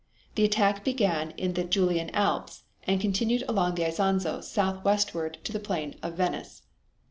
The attack began in the Julian Alps and continued along the Isonzo southwestward into the plain of Venice.